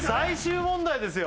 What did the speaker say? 最終問題ですよ